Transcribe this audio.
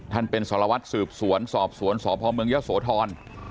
ท่านเป็นสารวัตรสืบสวนสอบสวนสพเมืองยะโสธร